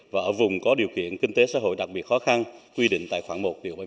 và ở vùng có điều kiện kinh tế xã hội đặc biệt khó khăn quy định tại khoảng một ba mươi tám